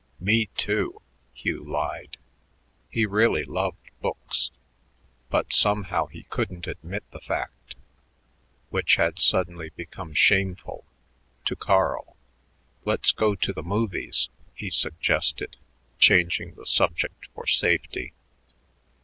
"Me, too," Hugh lied. He really loved books, but somehow he couldn't admit the fact, which had suddenly become shameful, to Carl. "Let's go to the movies," he suggested, changing the subject for safety.